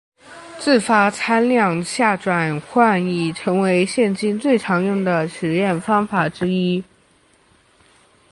自发参量下转换已成为现今最常用的实验方法之一。